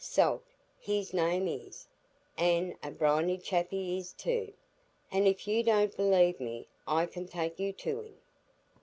Salt, his name is,—an' a briny chap he is too,—an' if you don't believe me, I can take you to him."